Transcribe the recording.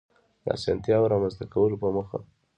د آسانتیاوو رامنځته کولو په موخه